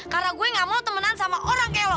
karena gue gak mau temenan sama orang kayak lo